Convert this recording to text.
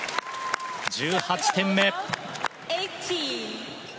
１８点目。